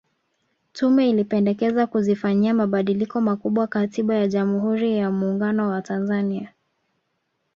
Tume ilipendekeza kuzifanyia mabadiliko makubwa Katiba ya Jamhuri ya Muungano wa Tanzania